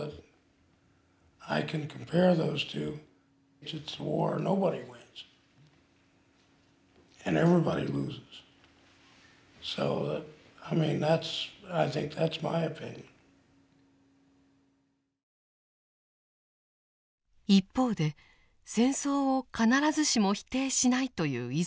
一方で戦争を必ずしも否定しないという遺族もいました。